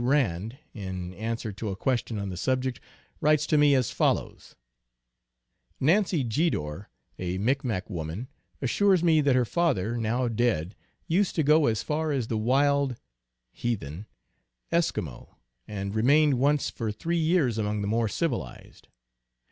Rand, in answer to a question on the subject, writes to me as follows :" Nancy Jeddore, a Micmac woman, assures me that her father, now dead, used to go as far as the wild (heathen) Eskimo, and remained once for three years among the more civilized.